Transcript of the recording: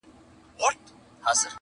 په نري تار مي تړلې یارانه ده!